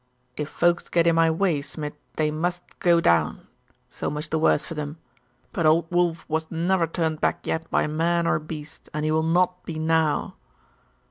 'If folks get in my way, Smid, they must go down. So much the worse for them: but old Wulf was never turned back yet by man or beast, and he will not be now.